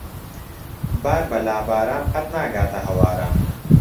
بار بە لاباران قەت ناگاتە ھەواران.